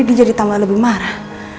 dia jadi tambah lebih marah